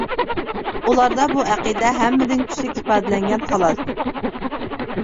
ئۇلاردا بۇ ئەقىدە ھەممىدىن كۈچلۈك ئىپادىلەنگەن خالاس.